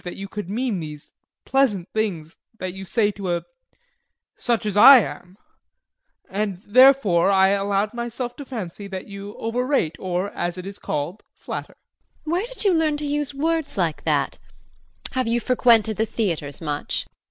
My natural modesty forbids me to believe that you could mean these pleasant things that you say to a such as I am and therefore I allowed myself to fancy that you overrate or, as it is called, flatter. JULIE. Where did you learn to use words like that? Have you frequented the theatres much?